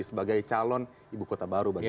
sebagai calon ibu kota baru bagi